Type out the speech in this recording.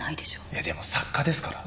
いやでも作家ですから。